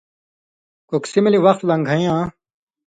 کوکسی ملی وخت لن٘گھَیں یاں